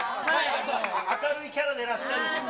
やっぱり明るいキャラでいらっしゃるしね。